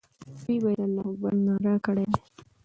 دوی باید د الله اکبر ناره کړې وای.